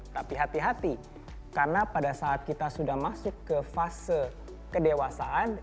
tapi hati hati karena pada saat kita sudah masuk ke fase kedewasaan